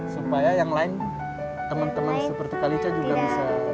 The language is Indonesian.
supaya yang lain teman teman seperti kalista juga bisa kuat ya